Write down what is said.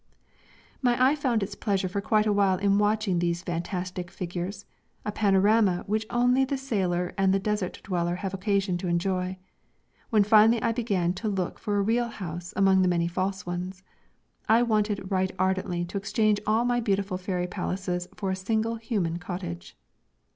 My eye found its pleasure for quite a while in watching these fantastic figures a panorama which only the sailor and the desert dweller have occasion to enjoy when finally I began to look for a real house among the many false ones; I wanted right ardently to exchange all my beautiful fairy palaces for a single human cottage.